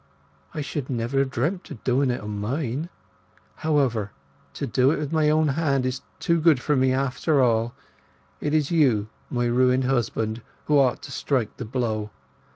I should never have dreamt of doing it on mine. However, to do it with my own hand is too good for me, after all. It is you, my ruined husband, who ought to strike the blow.